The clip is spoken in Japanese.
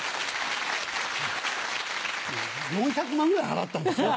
４００万ぐらい払ったんですよ。